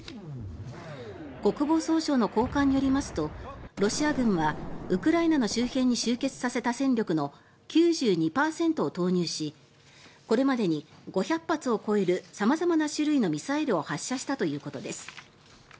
国防総省の高官によりますとロシア軍はウクライナの周辺に集結させた戦力の９２％を投入しこれまでに５００発を超える様々な種類のミサイルを発射したということです。